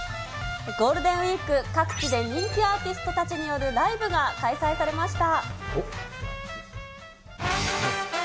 ゴールデンウィーク、各地で人気アーティストたちによるライブが開催されました。